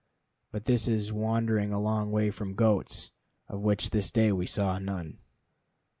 But this is wandering a long way from goats, of which this day we saw none.